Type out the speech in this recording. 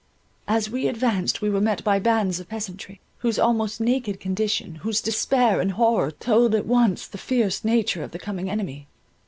As we advanced, we were met by bands of peasantry, whose almost naked condition, whose despair and horror, told at once the fierce nature of the coming enemy.